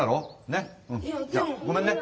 ねっ。じゃあごめんね。